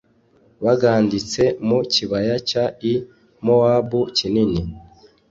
baganditse mu kibaya cy i Mowabu kinini